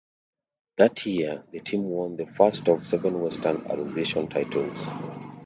That year, the team won the first of several Western Association titles.